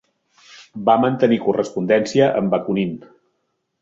Va mantenir correspondència amb Bakunin.